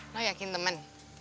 lo yakin temen